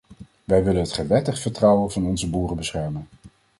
Wij willen het gewettigd vertrouwen van onze boeren beschermen.